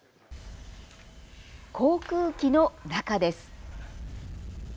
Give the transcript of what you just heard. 航空機の中です。